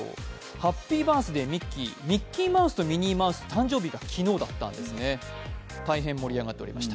ハッピーバースデーミッキーミッキー、ミッキーマウスとミニーマウス誕生日が昨日だったんですね、大変盛り上がってました。